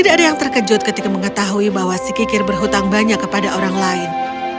tidak ada yang terkejut ketika mengetahui bahwa si kikir berhutang banyak kepada orang lain